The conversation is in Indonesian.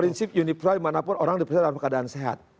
prinsip unipro dimanapun orang diperiksa dalam keadaan sehat